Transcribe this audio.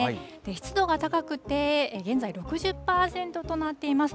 湿度が高くて、現在６０％となっています。